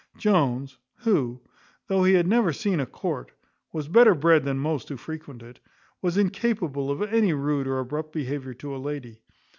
Jones, who, though he had never seen a court, was better bred than most who frequent it, was incapable of any rude or abrupt behaviour to a lady.